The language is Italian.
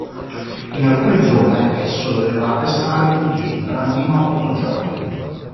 In alcune zone esso doveva restare in piedi per almeno otto giorni.